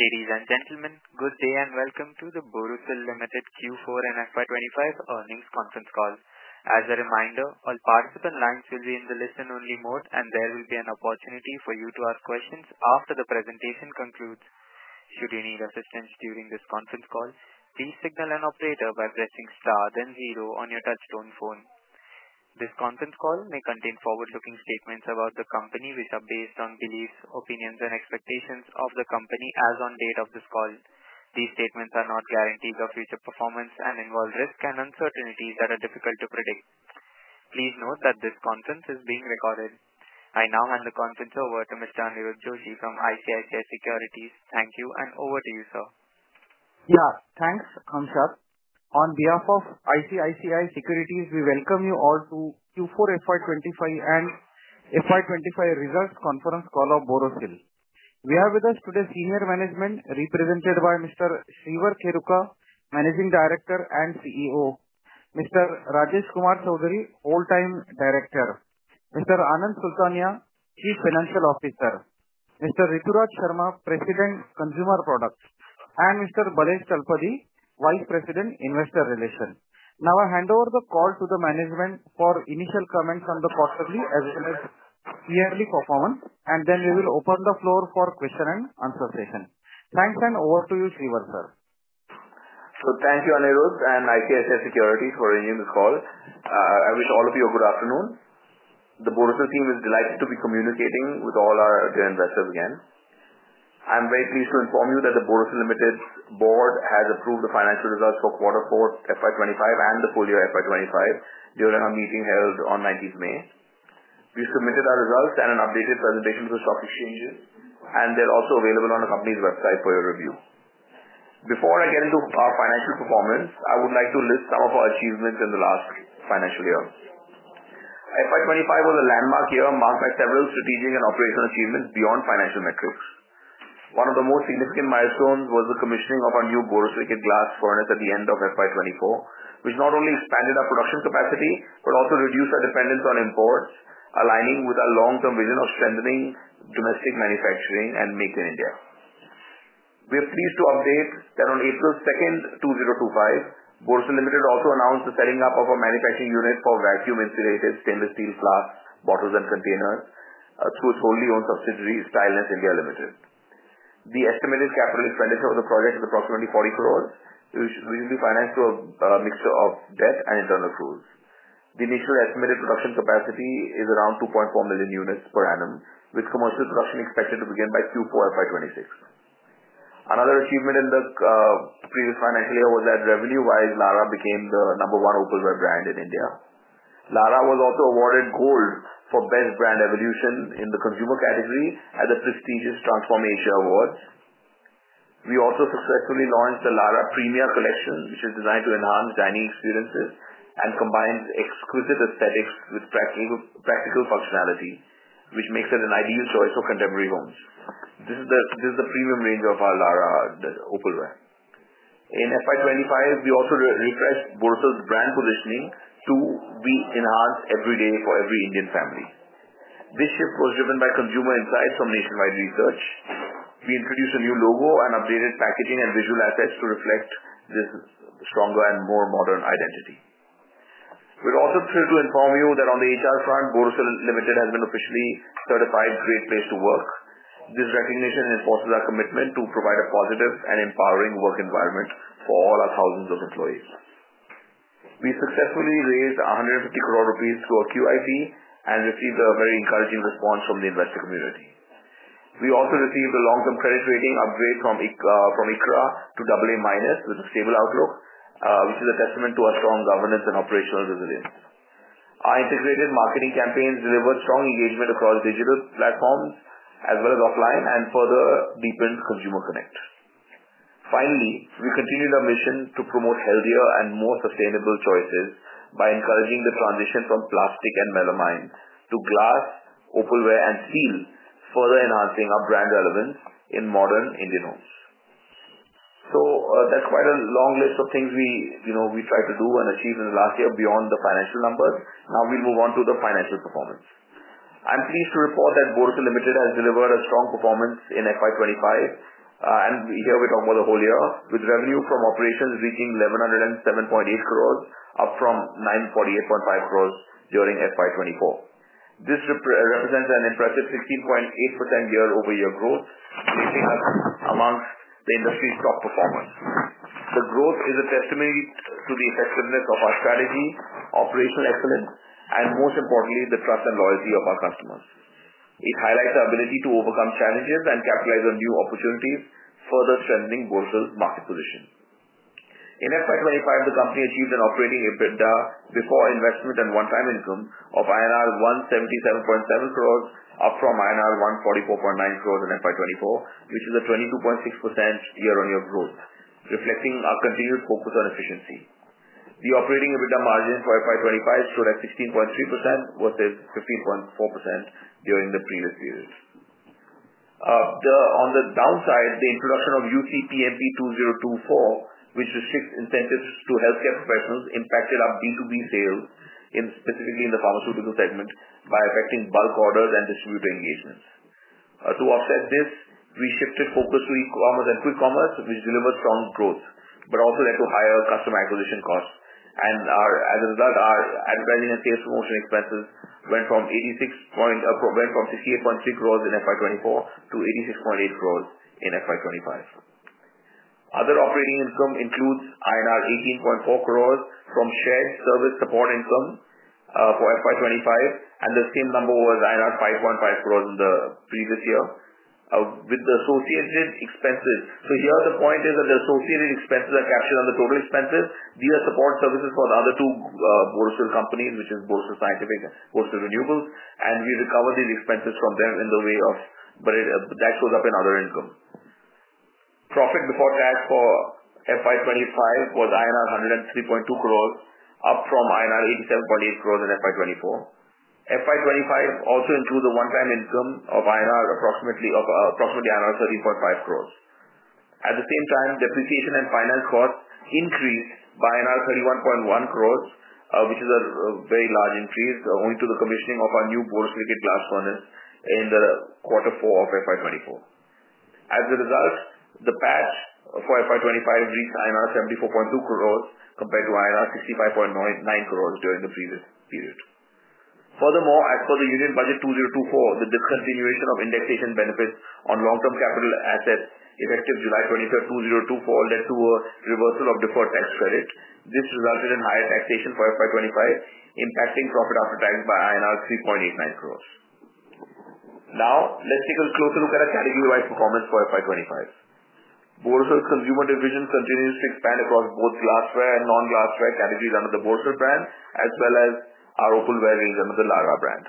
Ladies and gentlemen, good day and welcome to the Borosil Limited Q4 and FY25 Earnings Conference Call. As a reminder, all participant lines will be in the listen-only mode, and there will be an opportunity for you to ask questions after the presentation concludes. Should you need assistance during this conference call, please signal an operator by pressing star, then zero on your touchtone phone. This conference call may contain forward-looking statements about the company, which are based on beliefs, opinions, and expectations of the company as on date of this call. These statements are not guaranteed of future performance and involve risks and uncertainties that are difficult to predict. Please note that this conference is being recorded. I now hand the conference over to Mr. Aniruddha Joshi from ICICI Securities. Thank you, and over to you, sir. Yeah, thanks, Hamshad. On behalf of ICICI Securities, we welcome you all to Q4 FY25 and FY25 Results Conference Call of Borosil. We have with us today senior management represented by Mr. Shreevar Kheruka, Managing Director and CEO, Mr. Rajesh Kumar Choudhary, Whole-Time Director, Mr. Anand Sultania, Chief Financial Officer, Mr. Rituraj Sharma, President, Consumer Products, and Mr. Balesh Talapady, Vice President, Investor Relations. Now I hand over the call to the management for initial comments on the quarterly as well as yearly performance, and then we will open the floor for question and answer session. Thanks, and over to you, Shreevar, sir. Thank you, Aniruddha and ICICI Securities, for arranging this call. I wish all of you a good afternoon. The Borosil team is delighted to be communicating with all our dear investors again. I'm very pleased to inform you that the Borosil Limited board has approved the financial results for Q4 FY25 and the full year FY25 during a meeting held on 19th May. We submitted our results and an updated presentation to the stock exchanges, and they're also available on the company's website for your review. Before I get into our financial performance, I would like to list some of our achievements in the last financial year. FY25 was a landmark year marked by several strategic and operational achievements beyond financial metrics. One of the most significant milestones was the commissioning of our new borosilicate glass furnace at the end of FY 2024, which not only expanded our production capacity but also reduced our dependence on imports, aligning with our long-term vision of strengthening domestic manufacturing and Make in India. We are pleased to update that on April 2, 2025, Borosil Limited also announced the setting up of a manufacturing unit for vacuum insulated stainless steel glass bottles and containers through its wholly owned subsidiary, Stylenest India Limited. The estimated CapEx of the project is approximately 40 crore, which will be financed through a mixture of debt and internal accruals. The initial estimated production capacity is around 2.4 million units per annum, with commercial production expected to begin by Q4 FY 2026. Another achievement in the previous financial year was that revenue-wise, Larah became the number one opalware brand in India. Larah was also awarded gold for best brand evolution in the consumer category at the prestigious Transform Asia Awards. We also successfully launched the Larah Premia collection, which is designed to enhance dining experiences and combines exquisite aesthetics with practical functionality, which makes it an ideal choice for contemporary homes. This is the premium range of our Larah Opalware. In FY25, we also refreshed Borosil's brand positioning to be enhanced every day for every Indian family. This shift was driven by consumer insights from nationwide research. We introduced a new logo and updated packaging and visual assets to reflect this stronger and more modern identity. We're also thrilled to inform you that on the HR front, Borosil Limited has been officially certified Great Place to Work. This recognition reinforces our commitment to provide a positive and empowering work environment for all our thousands of employees. We successfully raised 150 crores rupees through a QIP and received a very encouraging response from the investor community. We also received a long-term credit rating upgrade from ICRA to AA minus with a stable outlook, which is a testament to our strong governance and operational resilience. Our integrated marketing campaigns delivered strong engagement across digital platforms as well as offline and further deepened consumer connect. Finally, we continued our mission to promote healthier and more sustainable choices by encouraging the transition from plastic and melamine to glass, opalware, and steel, further enhancing our brand relevance in modern Indian homes. That is quite a long list of things we tried to do and achieve in the last year beyond the financial numbers. Now we will move on to the financial performance. I'm pleased to report that Borosil Limited has delivered a strong performance in FY25, and here we talk about the whole year, with revenue from operations reaching 1,107.8 crore, up from 948.5 crore during FY24. This represents an impressive 16.8% year-over-year growth, placing us amongst the industry's top performers. The growth is a testimony to the effectiveness of our strategy, operational excellence, and most importantly, the trust and loyalty of our customers. It highlights our ability to overcome challenges and capitalize on new opportunities, further strengthening Borosil's market position. In FY25, the company achieved an operating EBITDA before investment and one-time income of INR 177.7 crore, up from INR 144.9 crore in FY24, which is a 22.6% year-on-year growth, reflecting our continued focus on efficiency. The operating EBITDA margin for FY25 stood at 16.3% versus 15.4% during the previous period. On the downside, the introduction of UCPMP 2024, which restricts incentives to healthcare professionals, impacted our B2B sales, specifically in the pharmaceutical segment, by affecting bulk orders and distributor engagements. To offset this, we shifted focus to e-commerce and quick commerce, which delivered strong growth, but also led to higher customer acquisition costs. As a result, our advertising and sales promotion expenses went from 68.3 crore in FY2024 to 86.8 crore in FY2025. Other operating income includes INR 18.4 crore from shared service support income for FY2025, and the same number was 5.5 crore in the previous year. With the associated expenses, the point is that the associated expenses are captured under total expenses. These are support services for the other two Borosil companies, which is Borosil Scientific and Borosil Renewables, and we recover these expenses from them in the way of that shows up in other income. Profit before tax for FY25 was INR 103.2 crores, up from INR 87.8 crores in FY24. FY25 also includes a one-time income of approximately INR 13.5 crores. At the same time, depreciation and finance costs increased by INR 31.1 crores, which is a very large increase, owing to the commissioning of our new borosilicate glass furnace in the Q4 of FY24. As a result, the PAT for FY25 reached INR 74.2 crores compared to INR 65.9 crores during the previous period. Furthermore, as per the Union Budget 2024, the discontinuation of indexation benefits on long-term capital assets effective July 23, 2024, led to a reversal of deferred tax credit. This resulted in higher taxation for FY25, impacting profit after tax by INR 3.89 crore. Now, let's take a closer look at our category-wide performance for FY25. Borosil's consumer division continues to expand across both glassware and non-glassware categories under the Borosil brand, as well as our opalware range under the Larah brand.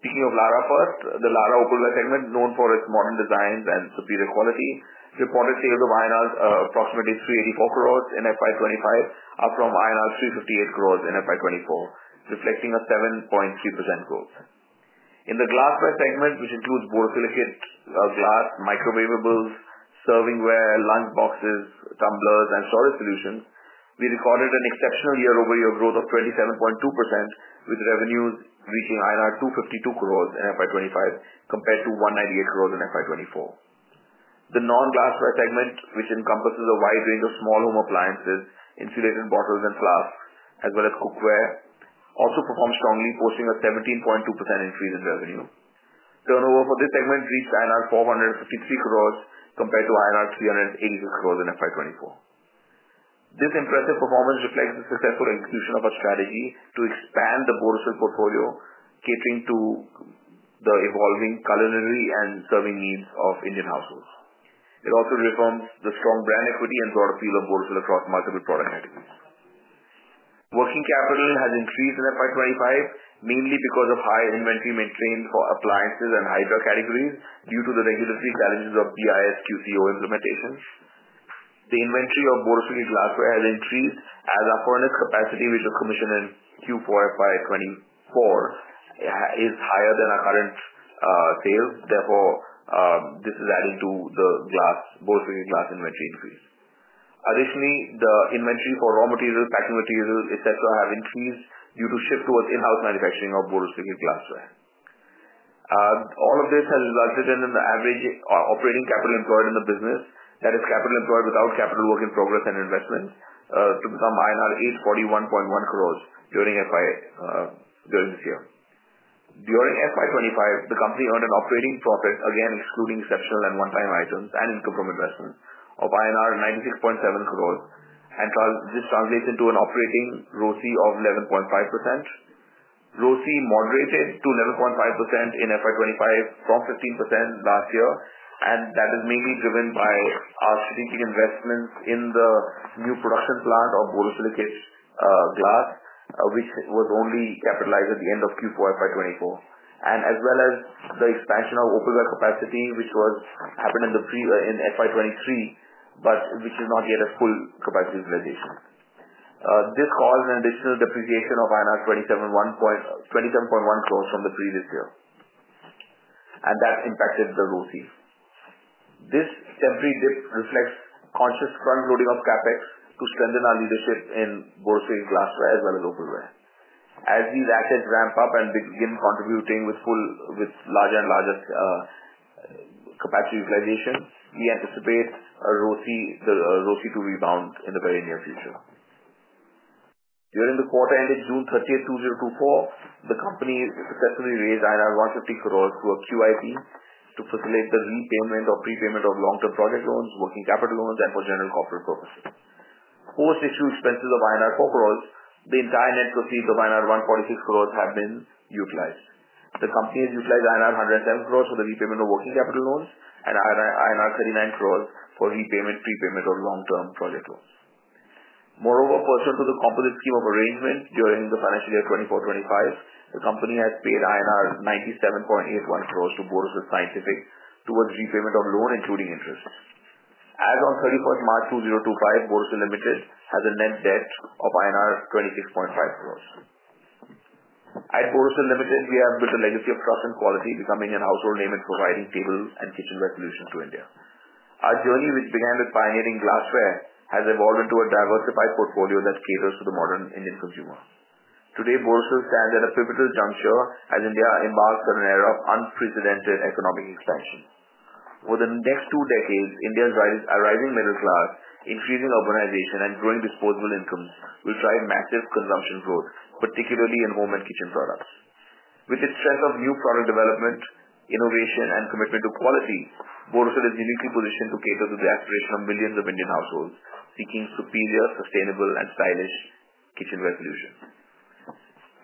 Speaking of Larah first, the Larah Opalware segment, known for its modern designs and superior quality, reported sales of INR approximately 384 crore in FY25, up from INR 358 crore in FY24, reflecting a 7.3% growth. In the glassware segment, which includes borosilicate glass, microwavables, servingware, lunch boxes, tumblers, and storage solutions, we recorded an exceptional year-over-year growth of 27.2%, with revenues reaching INR 252 crore in FY25 compared to 198 crore in FY24. The non-glassware segment, which encompasses a wide range of small home appliances, insulated bottles and flasks, as well as cookware, also performed strongly, posting a 17.2% increase in revenue. Turnover for this segment reached INR 453 crore compared to INR 386 crore in FY 2024. This impressive performance reflects the successful execution of our strategy to expand the Borosil portfolio, catering to the evolving culinary and serving needs of Indian households. It also reaffirms the strong brand equity and broad appeal of Borosil across multiple product categories. Working capital has increased in FY 2025, mainly because of high inventory maintained for appliances and Hydra categories due to the regulatory challenges of BIS QCO implementation. The inventory of borosilicate glassware has increased as our furnace capacity, which was commissioned in Q4 FY 2024, is higher than our current sales. Therefore, this is adding to the borosilicate glass inventory increase. Additionally, the inventory for raw materials, packing materials, etc., have increased due to a shift towards in-house manufacturing of borosilicate glassware. All of this has resulted in an average operating capital employed in the business, that is, capital employed without capital work in progress and investments, to become INR 841.1 crores during this year. During FY25, the company earned an operating profit, again excluding exceptional and one-time items and income from investments, of INR 96.7 crores, and this translates into an operating ROCE of 11.5%. ROCE moderated to 11.5% in FY25 from 15.1% last year, and that is mainly driven by our strategic investments in the new production plant of borosilicate glass, which was only capitalized at the end of Q4 FY24, as well as the expansion of opalware capacity, which happened in FY23, but which is not yet at full capacity utilization. This caused an additional depreciation of INR 27.1 crores from the previous year, and that impacted the ROCE. This temporary dip reflects conscious front-loading of CapEx to strengthen our leadership in borosilicate glassware as well as opalware. As these assets ramp up and begin contributing with larger and larger capacity utilization, we anticipate the ROCE to rebound in the very near future. During the quarter-ended June 30, 2024, the company successfully raised 150 crores through a QIP to facilitate the repayment or prepayment of long-term project loans, working capital loans, and for general corporate purposes. Post-issue expenses of INR 4 crores, the entire net proceeds of INR 146 crores have been utilized. The company has utilized INR 107 crores for the repayment of working capital loans and INR 39 crores for repayment, prepayment, or long-term project loans. Moreover, pursuant to the composite scheme of arrangement during the financial year 2024-2025, the company has paid INR 97.81 crore to Borosil Scientific towards repayment of loan, including interest. As of 31 March 2025, Borosil Limited has a net debt of INR 26.5 crore. At Borosil Limited, we have built a legacy of trust and quality, becoming a household name in providing table and kitchenware solutions to India. Our journey, which began with pioneering glassware, has evolved into a diversified portfolio that caters to the modern Indian consumer. Today, Borosil stands at a pivotal juncture as India embarks on an era of unprecedented economic expansion. Over the next two decades, India's rising middle class, increasing urbanization, and growing disposable incomes will drive massive consumption growth, particularly in home and kitchen products. With the strength of new product development, innovation, and commitment to quality, Borosil is uniquely positioned to cater to the aspiration of millions of Indian households seeking superior, sustainable, and stylish kitchenware solutions.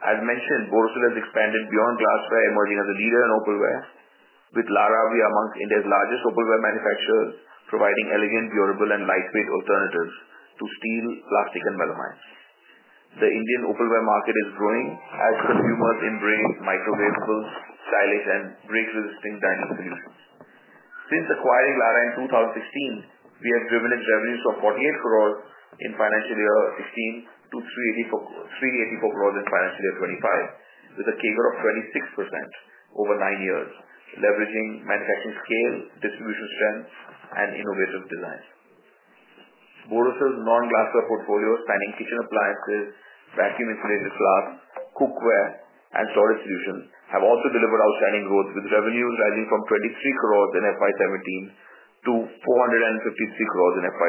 As mentioned, Borosil has expanded beyond glassware, emerging as a leader in Opalware. With Larah, we are amongst India's largest Opalware manufacturers, providing elegant, durable, and lightweight alternatives to steel, plastic, and melamines. The Indian Opalware market is growing as consumers embrace microwavables, stylish, and break-resisting dining solutions. Since acquiring Larah in 2016, we have driven its revenues from 480 million in financial year 2016 to 3,840 million in financial year 2025, with a CAGR of 26% over nine years, leveraging manufacturing scale, distribution strength, and innovative designs. Borosil's non-glassware portfolio, spanning kitchen appliances, vacuum-insulated glass, cookware, and storage solutions, has also delivered outstanding growth, with revenues rising from 23 crore in FY 2017 to 453 crore in FY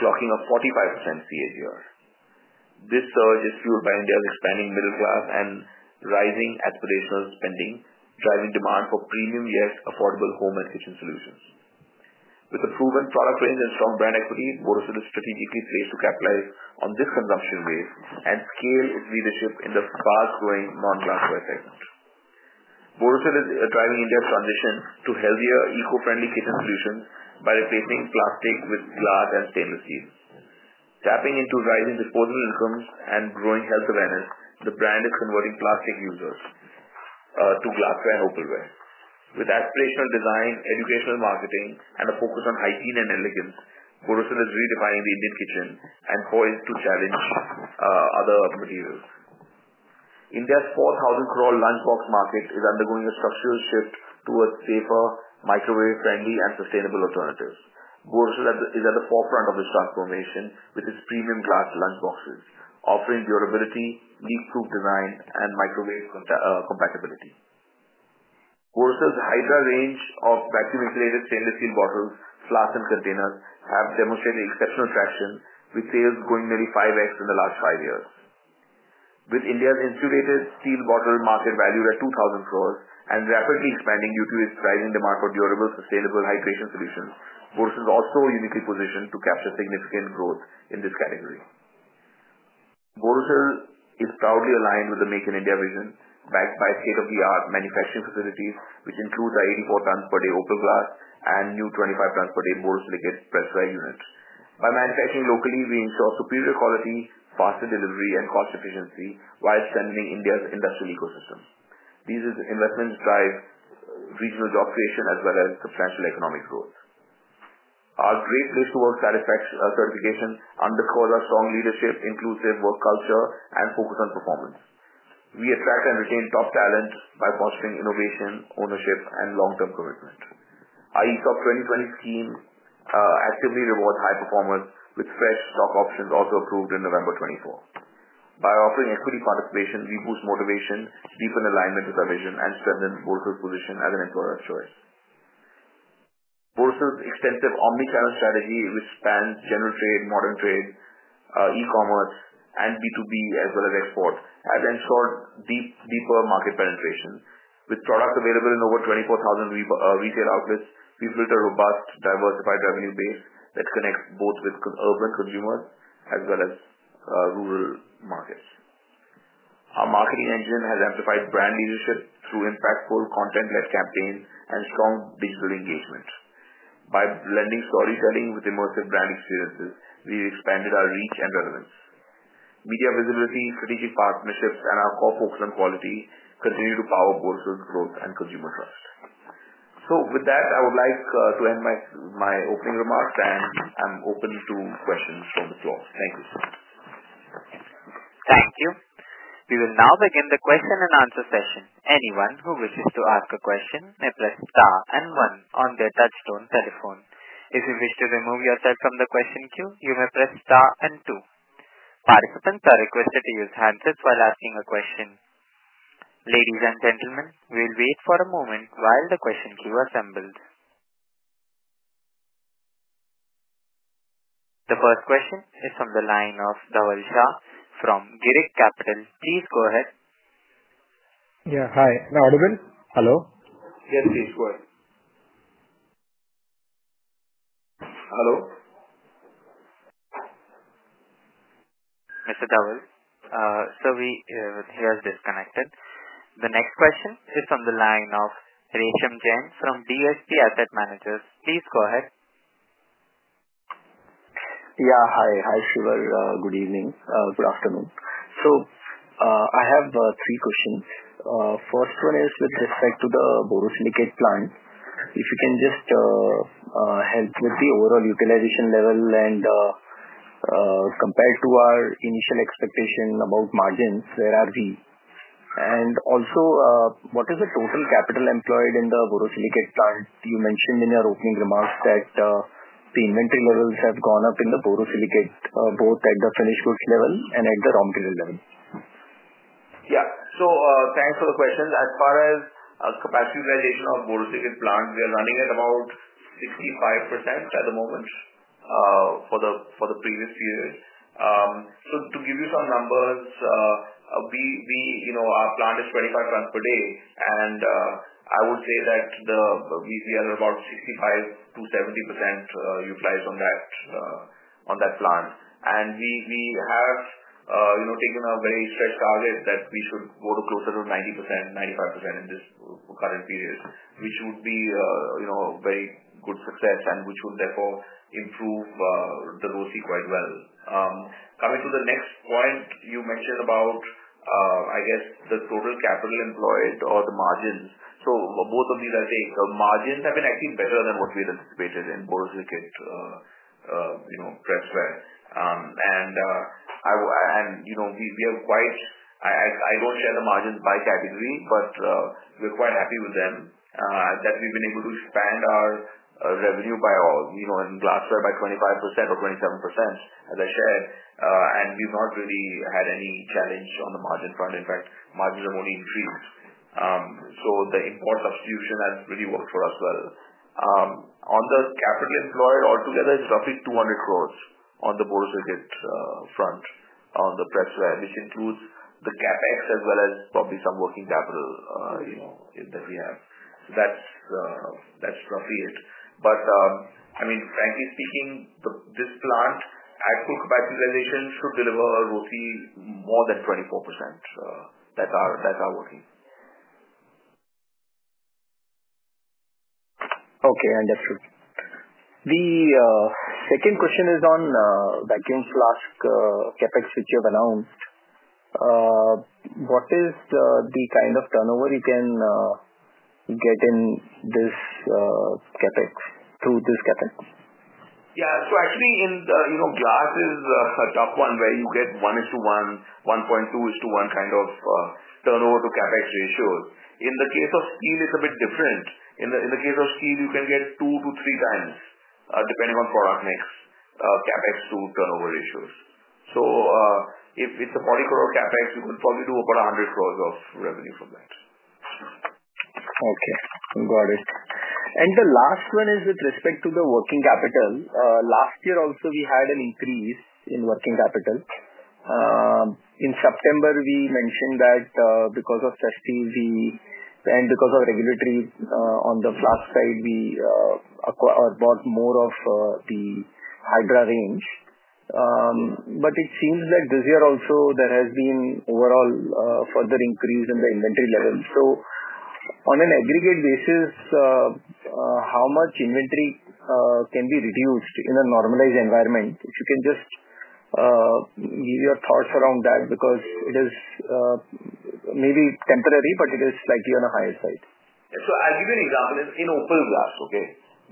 2025, clocking a 45% CAGR. This surge is fueled by India's expanding middle class and rising aspirational spending, driving demand for premium yet affordable home and kitchen solutions. With a proven product range and strong brand equity, Borosil is strategically placed to capitalize on this consumption wave and scale its leadership in the fast-growing non-glassware segment. Borosil is driving India's transition to healthier, eco-friendly kitchen solutions by replacing plastic with glass and stainless steel. Tapping into rising disposable incomes and growing health awareness, the brand is converting plastic users to glassware and opalware. With aspirational design, educational marketing, and a focus on hygiene and elegance, Borosil is redefining the Indian kitchen and poised to challenge other materials. India's 4,000-crore lunchbox market is undergoing a structural shift towards safer, microwave-friendly, and sustainable alternatives. Borosil is at the forefront of this transformation with its premium glass lunch boxes, offering durability, leak-proof design, and microwave compatibility. Borosil's Hydra range of vacuum-insulated stainless steel bottles, flasks, and containers has demonstrated exceptional traction, with sales going nearly 5X in the last five years. With India's insulated steel bottle market valued at 2,000 crores and rapidly expanding due to its rising demand for durable, sustainable hydration solutions, Borosil is also uniquely positioned to capture significant growth in this category. Borosil is proudly aligned with the Make in India vision, backed by state-of-the-art manufacturing facilities, which include the 84 tons per day opal glass and new 25 tons per day Borosil pressware units. By manufacturing locally, we ensure superior quality, faster delivery, and cost efficiency while strengthening India's industrial ecosystem. These investments drive regional job creation as well as substantial economic growth. Our Great Place to Work certification underscores our strong leadership, inclusive work culture, and focus on performance. We attract and retain top talent by fostering innovation, ownership, and long-term commitment. IESOP 2020 scheme actively rewards high performers with fresh stock options also approved in November 2024. By offering equity participation, we boost motivation, deepen alignment with our vision, and strengthen Borosil's position as an employer of choice. Borosil's extensive omnichannel strategy, which spans general trade, modern trade, e-commerce, and B2B as well as export, has ensured deeper market penetration. With products available in over 24,000 retail outlets, we've built a robust, diversified revenue base that connects both urban consumers as well as rural markets. Our marketing engine has amplified brand leadership through impactful, content-led campaigns and strong digital engagement. By blending storytelling with immersive brand experiences, we have expanded our reach and relevance. Media visibility, strategic partnerships, and our core focus on quality continue to power Borosil's growth and consumer trust. With that, I would like to end my opening remarks, and I am open to questions from the floor. Thank you. Thank you. We will now begin the question and answer session. Anyone who wishes to ask a question may press Star and 1 on their touchstone telephone. If you wish to remove yourself from the question queue, you may press Star and 2. Participants are requested to use handsets while asking a question. Ladies and gentlemen, we'll wait for a moment while the question queue assembles. The first question is from the line of Dhaval Shah from Girik Capital. Please go ahead. Yeah, hi. Now, Audubin? Hello. Yes, please. Go ahead. Hello. Mr. Dhaval? So here I've disconnected. The next question is from the line of Resham Jain from DSP Asset Managers. Please go ahead. Yeah, hi. Hi, Shreevar. Good evening. Good afternoon. I have three questions. First one is with respect to the Borosilicate plant. If you can just help with the overall utilization level and compare it to our initial expectation about margins, where are we? Also, what is the total capital employed in the Borosilicate plant? You mentioned in your opening remarks that the inventory levels have gone up in the Borosilicate, both at the finished goods level and at the raw material level. Yeah. So thanks for the question. As far as capacity utilization of the Borosil plant, we are running at about 65% at the moment for the previous period. To give you some numbers, our plant is 25 tons per day, and I would say that we are about 65-70% utilized on that plant. We have taken a very stretched target that we should go to closer to 90-95% in this current period, which would be a very good success and which would therefore improve the ROCE quite well. Coming to the next point, you mentioned about, I guess, the total capital employed or the margins. Both of these I will take. The margins have been actually better than what we had anticipated in Borosil pressware. We have quite—I do not share the margins by category, but we are quite happy with them that we have been able to expand our revenue by glassware by 25% or 27%, as I shared, and we have not really had any challenge on the margin front. In fact, margins have only increased. The import substitution has really worked for us well. On the capital employed altogether, it is roughly 200 crores on the Borosil front on the pressware, which includes the CapEx as well as probably some working capital that we have. That is roughly it. I mean, frankly speaking, this plant at full capacity utilization should deliver ROCE more than 24% that are working. Okay. Understood. The second question is on vacuum flask CapEx, which you have announced. What is the kind of turnover you can get in this CapEx through this CapEx? Yeah. So actually, glass is a tough one where you get 1:1, 1.2:1 kind of turnover to CapEx ratios. In the case of steel, it's a bit different. In the case of steel, you can get two to three times, depending on product mix, CapEx to turnover ratios. If it's a 40 crore CapEx, you could probably do about 100 crore of revenue from that. Okay. Got it. The last one is with respect to the working capital. Last year also, we had an increase in working capital. In September, we mentioned that because of festive and because of regulatory on the flask side, we bought more of the Hydra range. It seems that this year also, there has been overall further increase in the inventory level. On an aggregate basis, how much inventory can be reduced in a normalized environment? If you can just give your thoughts around that, because it is maybe temporary, but it is slightly on the higher side. I'll give you an example. In opal glass,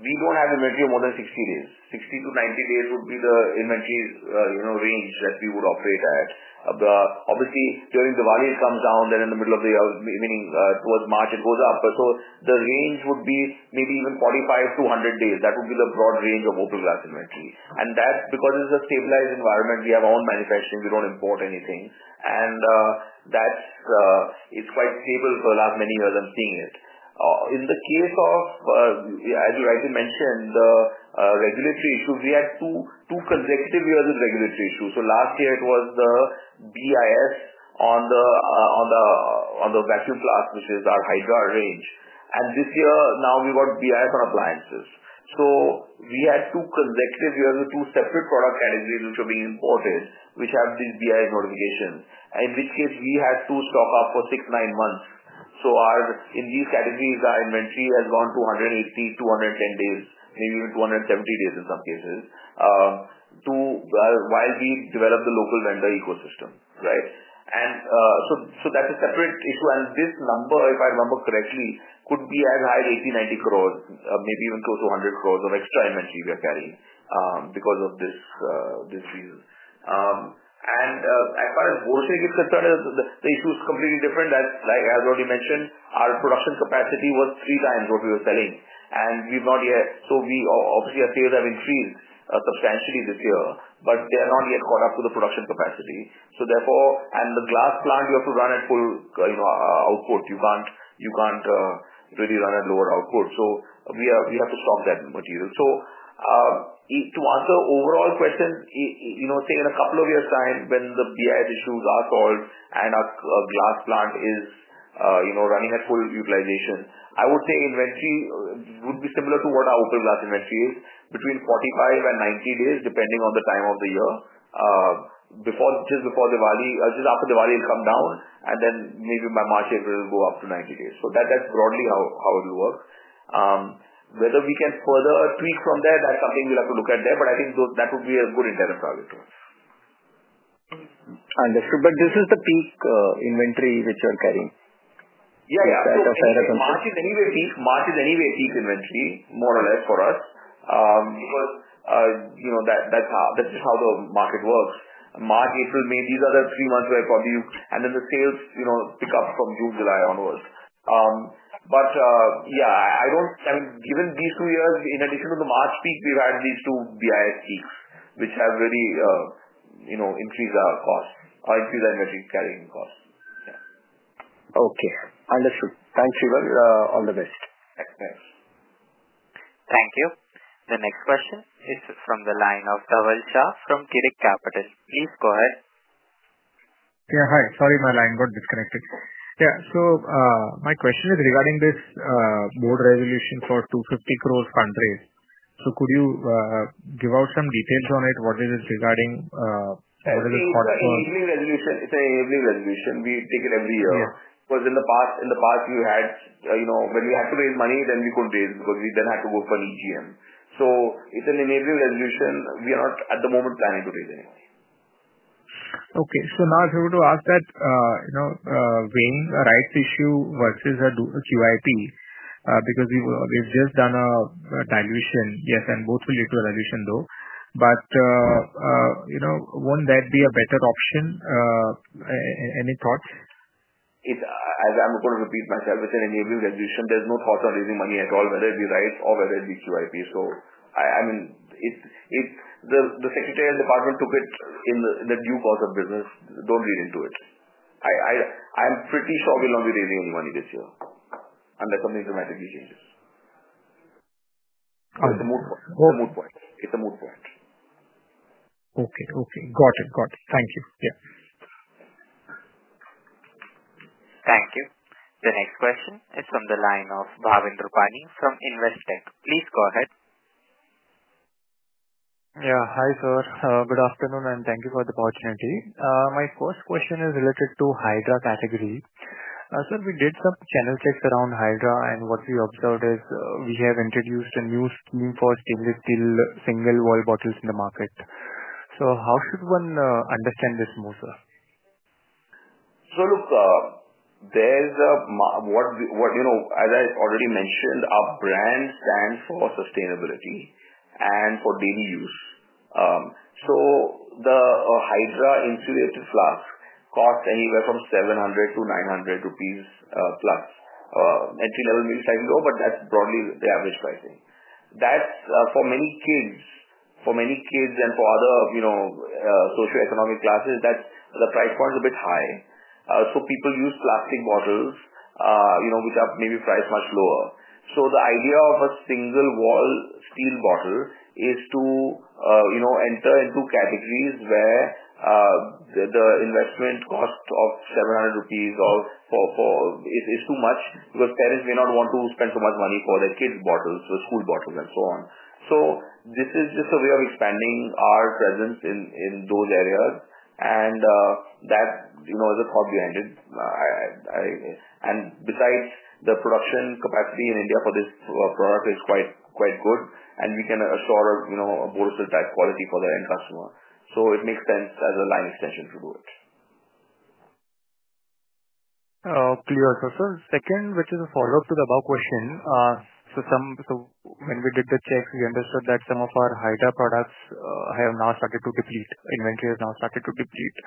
we don't have inventory of more than 60 days. 60-90 days would be the inventory range that we would operate at. Obviously, during Diwali, it comes down. In the middle of the year, meaning towards March, it goes up. The range would be maybe even 45-100 days. That would be the broad range of opal glass inventory. That's because it's a stabilized environment. We have our own manufacturing. We don't import anything. It's quite stable for the last many years. I'm seeing it. In the case of, as you rightly mentioned, the regulatory issues, we had two consecutive years with regulatory issues. Last year, it was the BIS on the vacuum flask, which is our Hydra range. This year, now we got BIS on appliances. We had two consecutive years with two separate product categories which are being imported, which have these BIS notifications, in which case we had to stock up for six-nine months. In these categories, our inventory has gone to 180-210 days, maybe even 270 days in some cases, while we develop the local vendor ecosystem, right? That is a separate issue. This number, if I remember correctly, could be as high as 80-90 crore, maybe even close to 100 crore of extra inventory we are carrying because of this reason. As far as Borosil is concerned, the issue is completely different. As Anand Sultania mentioned, our production capacity was three times what we were selling. We have not yet—obviously, our sales have increased substantially this year, but they are not yet caught up to the production capacity. Therefore, and the glass plant, you have to run at full output. You can't really run at lower output. We have to stock that material. To answer overall questions, say in a couple of years' time when the BIS issues are solved and our glass plant is running at full utilization, I would say inventory would be similar to what our opal glass inventory is, between 45-90 days, depending on the time of the year, just before Diwali, just after Diwali will come down, and then maybe by March, April, it will go up to 90 days. That's broadly how it will work. Whether we can further tweak from there, that's something we'll have to look at there. I think that would be a good internal target to us. Understood. Is this the peak inventory which you're carrying? Yeah, yeah. That's a fair assumption. March is anyway peak inventory, more or less for us, because that's just how the market works. March, April, May, these are the three months where probably—and then the sales pick up from June, July onwards. Yeah, I mean, given these two years, in addition to the March peak, we've had these two BIS peaks, which have really increased our costs or increased our inventory carrying costs. Yeah. Okay. Understood. Thanks, Shreevar. All the best. Thanks. Thank you. The next question is from the line of Dhaval Shah from Girik Capital. Please go ahead. Yeah, hi. Sorry, my line got disconnected. Yeah. So my question is regarding this board resolution for 250 crore fundraise. Could you give out some details on it? What is it regarding? What is it called? It's an enabling resolution. We take it every year. Because in the past, when we had to raise money, then we could raise because we then had to go for an EGM. It's an enabling resolution. We are not at the moment planning to raise any money. Okay. So now I have to ask that, weighing a rights issue versus a QIP, because we've just done a dilution. Yes, and both will lead to a dilution, though. Won't that be a better option? Any thoughts? As I'm going to repeat myself, it's an enabling resolution. There's no thought on raising money at all, whether it be rights or whether it be QIP. I mean, the secretarial department took it in the due course of business. Don't read into it. I'm pretty sure we'll not be raising any money this year, unless something dramatically changes. It's a moot point. It's a moot point. Okay. Got it. Thank you. Yeah. Thank you. The next question is from the line of Bhavin Rupani from Investec. Please go ahead. Yeah. Hi, sir. Good afternoon, and thank you for the opportunity. My first question is related to Hydra category. Sir, we did some channel checks around Hydra, and what we observed is we have introduced a new scheme for stainless steel single-wall bottles in the market. How should one understand this more, sir? Look, there is a—what you know, as I already mentioned, our brand stands for sustainability and for daily use. The Hydra insulated flask costs anywhere from 700-900 rupees plus. Entry-level means slightly lower, but that is broadly the average pricing. That is for many kids, for many kids and for other socioeconomic classes, that the price point is a bit high. People use plastic bottles, which are maybe priced much lower. The idea of a single-wall steel bottle is to enter into categories where the investment cost of 700 rupees is too much because parents may not want to spend so much money for their kids' bottles, for school bottles, and so on. This is just a way of expanding our presence in those areas. That is a thought behind it. Besides, the production capacity in India for this product is quite good, and we can assure a Borosil type quality for the end customer. It makes sense as a line extension to do it. Clear, sir. Second, which is a follow-up to the above question. When we did the checks, we understood that some of our Hydra products have now started to deplete. Inventory has now started to deplete.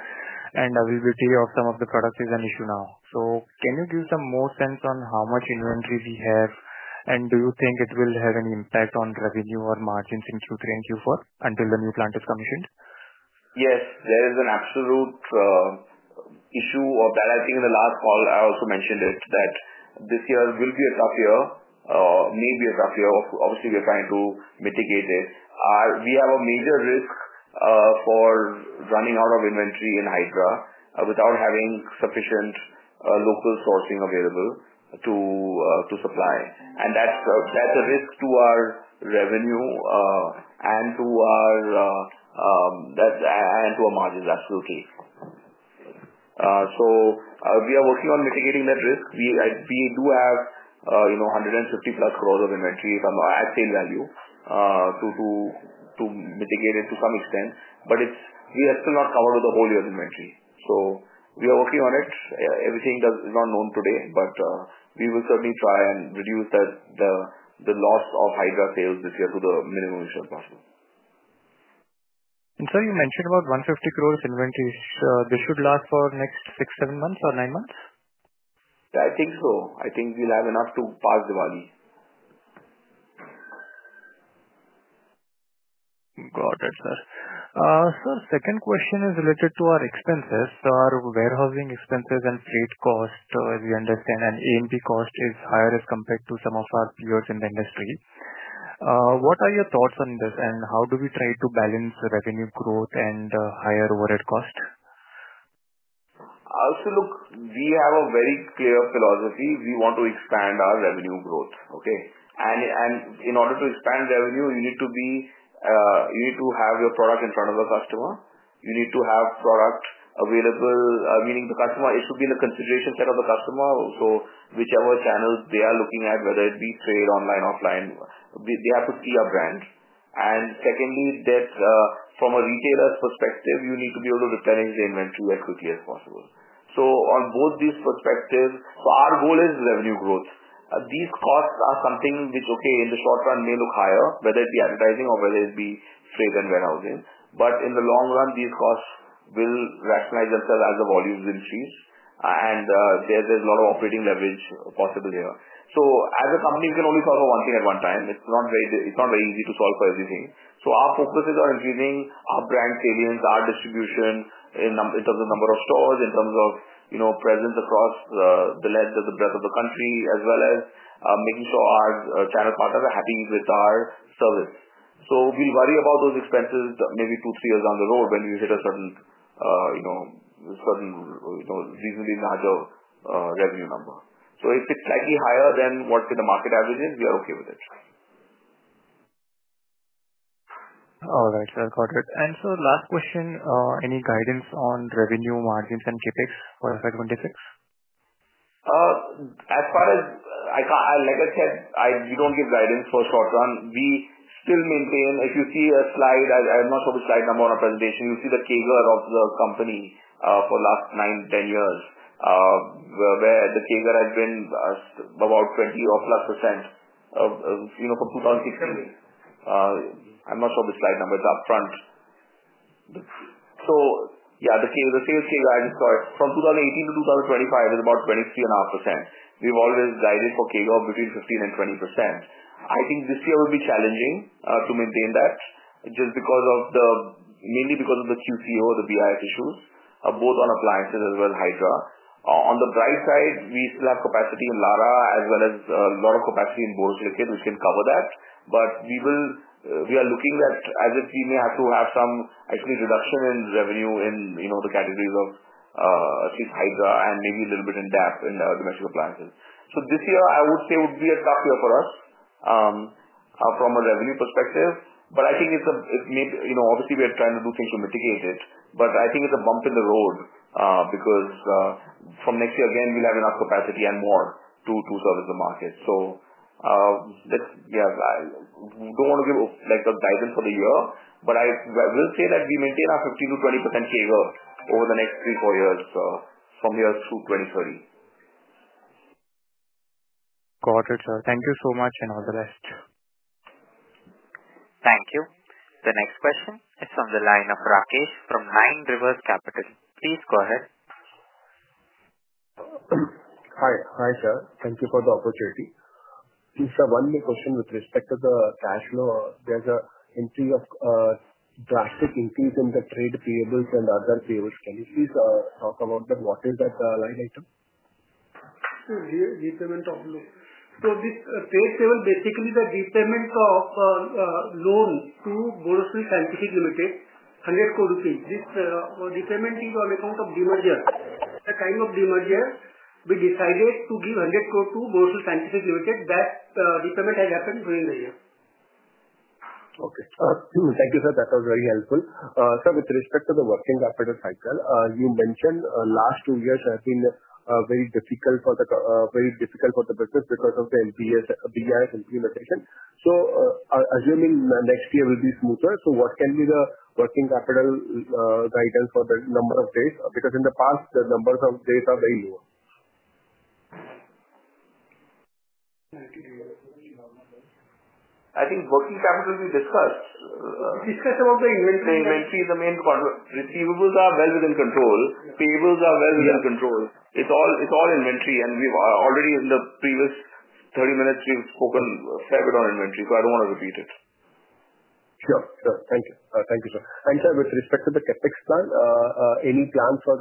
Availability of some of the products is an issue now. Can you give some more sense on how much inventory we have, and do you think it will have any impact on revenue or margins in Q3 and Q4 until the new plant is commissioned? Yes. There is an absolute issue of that. I think in the last call, I also mentioned it, that this year will be a tough year, maybe a tough year. Obviously, we're trying to mitigate it. We have a major risk for running out of inventory in Hydra without having sufficient local sourcing available to supply. And that's a risk to our revenue and to our margins, absolutely. So we are working on mitigating that risk. We do have 150 crore plus of inventory, if I'm not—at sale value—to mitigate it to some extent. But we are still not covered with the whole year's inventory. So we are working on it. Everything is not known today, but we will certainly try and reduce the loss of Hydra sales this year to the minimum issue as possible. Sir, you mentioned about 150 crore inventory. This should last for next six, seven months or nine months? I think so. I think we'll have enough to pass Diwali. Got it, sir. Sir, second question is related to our expenses. Our warehousing expenses and freight cost, as we understand, and A&P cost is higher as compared to some of our peers in the industry. What are your thoughts on this, and how do we try to balance revenue growth and higher overhead cost? I'll say, look, we have a very clear philosophy. We want to expand our revenue growth, okay? In order to expand revenue, you need to be—you need to have your product in front of the customer. You need to have product available, meaning the customer—it should be in the consideration set of the customer. Whichever channel they are looking at, whether it be trade online, offline, they have to see our brand. Secondly, from a retailer's perspective, you need to be able to replenish the inventory as quickly as possible. On both these perspectives, our goal is revenue growth. These costs are something which, okay, in the short run, may look higher, whether it be advertising or whether it be freight and warehousing. In the long run, these costs will rationalize themselves as the volumes increase. There is a lot of operating leverage possible here. As a company, we can only solve for one thing at one time. It is not very easy to solve for everything. Our focus is on increasing our brand salience, our distribution in terms of number of stores, in terms of presence across the breadth of the country, as well as making sure our channel partners are happy with our service. We will worry about those expenses maybe two to three years down the road when we hit a certain reasonably large revenue number. If it is slightly higher than what the market average is, we are okay with it. All right. I've got it. And sir, last question, any guidance on revenue, margins, and CapEx for FY26? As far as, like I said, we don't give guidance for short run. We still maintain, if you see a slide—I'm not sure which slide number on our presentation—you'll see the CAGR of the company for the last 9, 10 years, where the CAGR has been about 20% or plus from 2016. I'm not sure which slide number. It's upfront. Yeah, the sales CAGR, I just saw it. From 2018 to 2025, it's about 23.5%. We've always guided for CAGR of between 15%-20%. I think this year will be challenging to maintain that, just because of the—mainly because of the QCO, the BIS issues, both on appliances as well as Hydra. On the bright side, we still have capacity in Lara, as well as a lot of capacity in borosilicate, which can cover that. We are looking at as if we may have to have some actually reduction in revenue in the categories of at least Hydra and maybe a little bit in DAP in domestic appliances. This year, I would say, would be a tough year for us from a revenue perspective. I think it's a—obviously, we are trying to do things to mitigate it. I think it's a bump in the road because from next year, again, we'll have enough capacity and more to service the market. Yeah, I don't want to give a guidance for the year, but I will say that we maintain our 15%-20% CAGR over the next three, four years from here through 2030. Got it, sir. Thank you so much and all the best. Thank you. The next question is from the line of Rakesh from Nine Rivers Capital. Please go ahead. Hi, sir. Thank you for the opportunity. It's a one-way question with respect to the cash flow. There's a drastic increase in the trade payables and other payables. Can you please talk about that? What is that line item? Here, repayment of loan. This trade payable, basically the repayment of loan to Borosil Scientific Limited, INR 100 crore. This repayment is on account of demerger. At the time of demerger, we decided to give 100 crore to Borosil Scientific Limited. That repayment has happened during the year. Okay. Thank you, sir. That was very helpful. Sir, with respect to the working capital cycle, you mentioned last two years have been very difficult for the business because of the BIS implementation. Assuming next year will be smoother, what can be the working capital guidance for the number of days? Because in the past, the number of days are very low. I think working capital will be discussed. We discussed about the inventory. The inventory is the main conduit. Receivables are well within control. Payables are well within control. It's all inventory. Already in the previous 30 minutes, we've spoken a fair bit on inventory, so I don't want to repeat it. Sure. Thank you. Thank you, sir. And sir, with respect to the CapEx plan, any plan for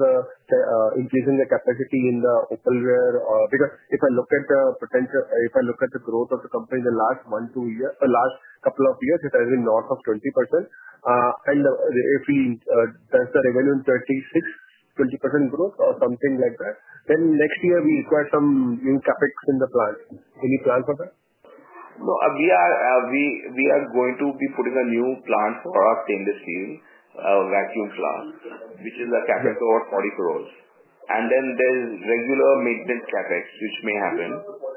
increasing the capacity in the opalware? Because if I look at the potential, if I look at the growth of the company in the last one to last couple of years, it has been north of 20%. If we do the revenue in 2026, 20% growth or something like that, then next year we require some new CapEx in the plant. Any plan for that? No. We are going to be putting a new plant for our stainless steel vacuum plant, which is a CapEx of over 400,000,000. There is regular maintenance CapEx, which may happen,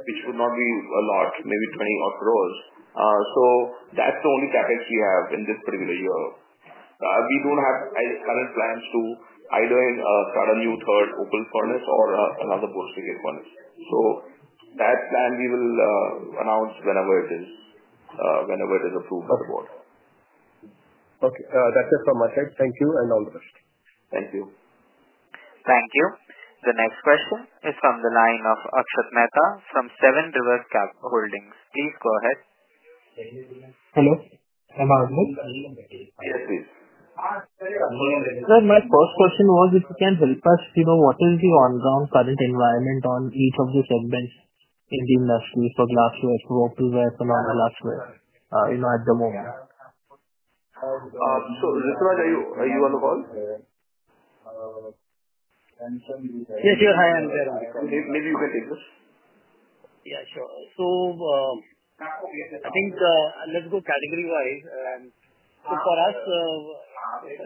which would not be a lot, maybe 200,000,000. That is the only CapEx we have in this particular year. We do not have current plans to either start a new third opal furnace or another borosilicate furnace. That plan, we will announce whenever it is approved by the board. Okay. That's it from my side. Thank you and all the best. Thank you. Thank you. The next question is from the line of Akshat Mehta from Seven Rivers Cap Holdings. Please go ahead. Hello. I'm Arjit. Yes, please. Sir, my first question was, if you can help us, what is the ongoing current environment on each of the segments in the industry for glassware, for opalware, and non-glassware at the moment? Rituraj, are you on the call? Yes, you're high on there. Maybe you can take this. Yeah, sure. I think let's go category-wise. For us,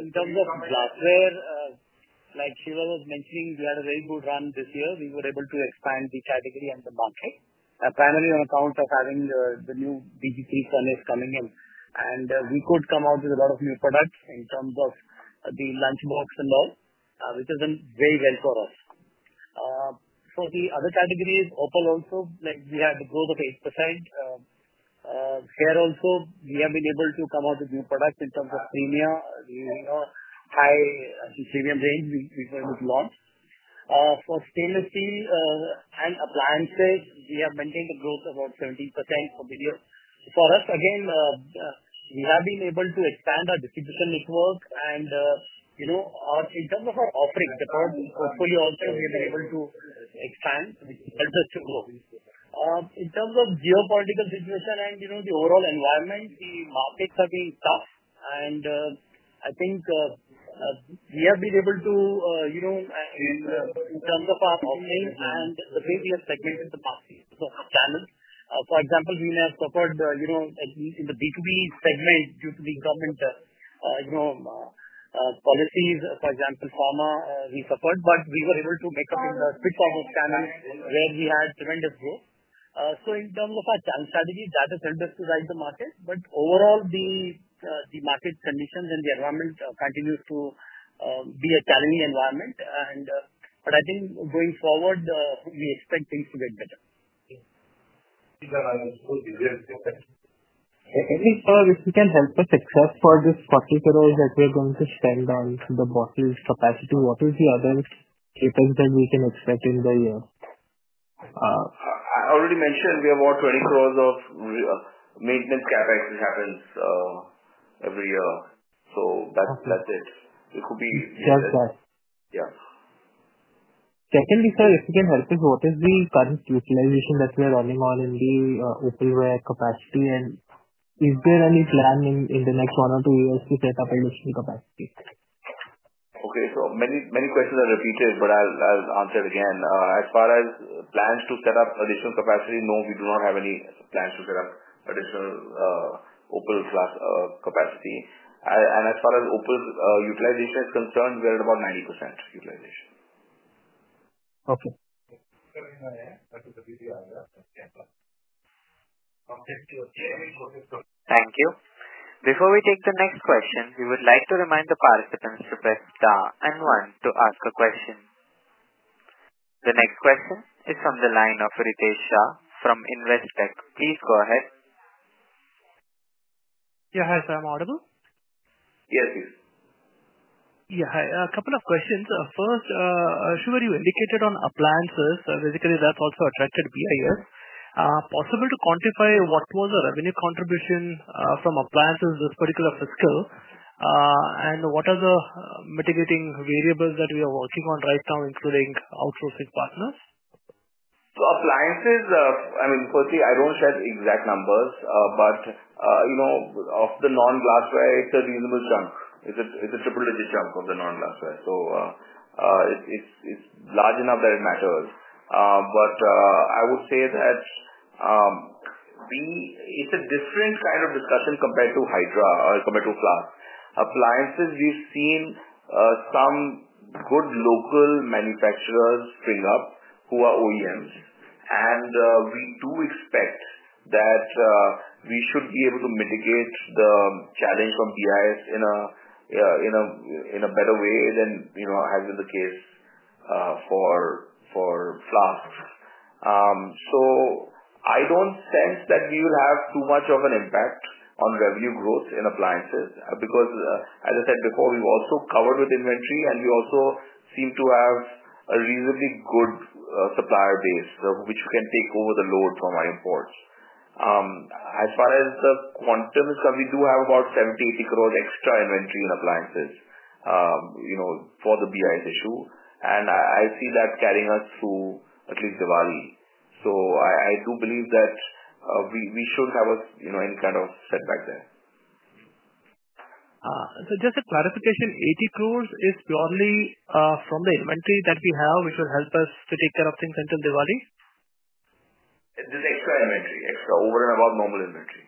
in terms of glassware, like Shreevar was mentioning, we had a very good run this year. We were able to expand the category and the market, primarily on account of having the new BG3 furnace coming in. We could come out with a lot of new products in terms of the lunch box and all, which has done very well for us. For the other categories, opal also, we had a growth of 8%. Here also, we have been able to come out with new products in terms of premium, high premium range before we launched. For stainless steel and appliances, we have maintained a growth of about 17% for the year. For us, again, we have been able to expand our distribution network. In terms of our offering, the product hopefully also we have been able to expand, which helps us to grow. In terms of geopolitical situation and the overall environment, the markets are being tough. I think we have been able to, in terms of our offering and the way we have segmented the market, so channels. For example, we may have suffered in the B2B segment due to the government policies. For example, pharma, we suffered, but we were able to make up in the spitfire channels where we had tremendous growth. In terms of our challenge strategy, that has helped us to guide the market. Overall, the market conditions and the environment continue to be a challenging environment. I think going forward, we expect things to get better. Anything else you can help us access for this INR 40 crore that we are going to spend on the bottle capacity? What is the other CapEx that we can expect in the year? I already mentioned we have about 200 million of maintenance CapEx which happens every year. So that's it. It could be. Just that. Yeah. Secondly, sir, if you can help us, what is the current utilization that we are running on in the opalware capacity? Is there any plan in the next one or two years to set up additional capacity? Okay. So many questions are repeated, but I'll answer it again. As far as plans to set up additional capacity, no, we do not have any plans to set up additional Opal capacity. As far as Opal utilization is concerned, we are at about 90% utilization. Okay. Thank you. Before we take the next question, we would like to remind the participants to press star and one to ask a question. The next question is from the line of Ritesh Shah from Investec. Please go ahead. Yeah. Hi, sir. Am I audible? Yes, please. Yeah. Hi. A couple of questions. First, Shreevar, you indicated on appliances. Basically, that's also attracted BIS. Possible to quantify what was the revenue contribution from appliances this particular fiscal? And what are the mitigating variables that we are working on right now, including outsourcing partners? Appliances, I mean, personally, I do not share the exact numbers, but of the non-glassware, it is a reasonable chunk. It is a triple-digit chunk of the non-glassware. It is large enough that it matters. I would say that it is a different kind of discussion compared to Hydra or compared to Flask. Appliances, we have seen some good local manufacturers spring up who are OEMs. We do expect that we should be able to mitigate the challenge from BIS in a better way than has been the case for Flask. I do not sense that we will have too much of an impact on revenue growth in appliances because, as I said before, we have also covered with inventory, and we also seem to have a reasonably good supplier base which can take over the load from our imports. As far as the quantum is concerned, we do have about 70 crore-80 crore extra inventory in appliances for the BIS issue. I see that carrying us through at least Diwali. I do believe that we shouldn't have any kind of setback there. Just a clarification, 80 crore is purely from the inventory that we have, which will help us to take care of things until Diwali? Just extra inventory. Extra over and above normal inventory.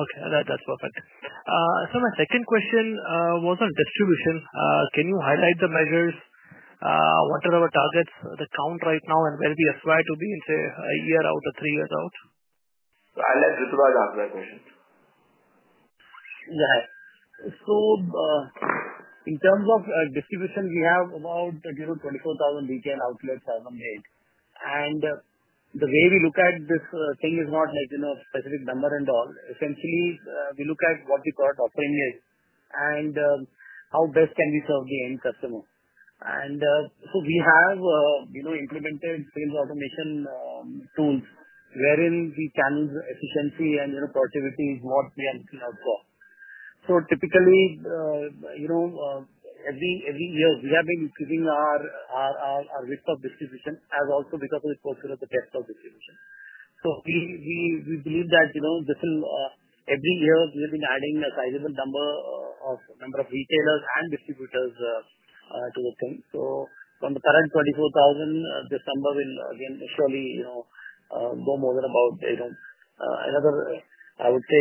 Okay. That's perfect. My second question was on distribution. Can you highlight the measures? What are our targets, the count right now, and where we aspire to be in, say, a year out or three years out? I'll let Rituraj ask that question. Yeah. In terms of distribution, we have about 24,000 retail outlets as of date. The way we look at this thing is not a specific number and all. Essentially, we look at what the current offering is and how best we can serve the end customer. We have implemented sales automation tools wherein the channel's efficiency and productivity is what we are looking out for. Typically, every year, we have been increasing our width of distribution also because of the culture of the depth of distribution. We believe that every year, we have been adding a sizable number of retailers and distributors to the thing. From the current 24,000, this number will again surely go more than about another, I would say,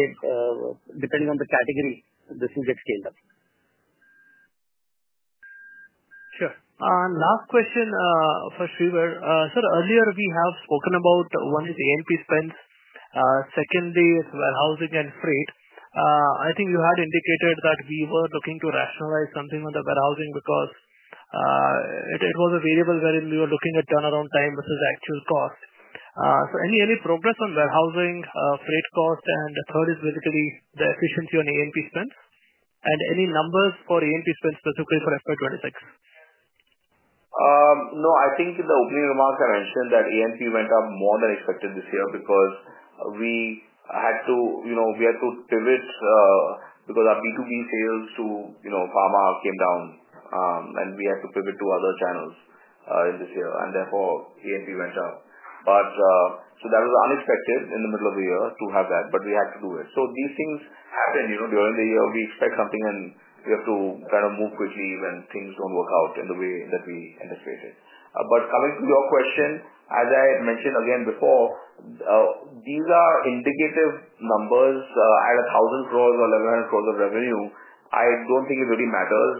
depending on the category, this will get scaled up. Sure. Last question for Shreevar. Sir, earlier we have spoken about one is ANP spends. Secondly, it is warehousing and freight. I think you had indicated that we were looking to rationalize something on the warehousing because it was a variable wherein we were looking at turnaround time versus actual cost. Any progress on warehousing, freight cost, and the third is basically the efficiency on ANP spends? Any numbers for ANP spends specifically for FY 2026? No. I think in the opening remarks, I mentioned that ANP went up more than expected this year because we had to pivot because our B2B sales to pharma came down, and we had to pivot to other channels this year. Therefore, ANP went up. That was unexpected in the middle of the year to have that, but we had to do it. These things happen during the year. We expect something, and we have to kind of move quickly when things do not work out in the way that we anticipated. Coming to your question, as I mentioned again before, these are indicative numbers. At 1,000 crore or 1,100 crore of revenue, I do not think it really matters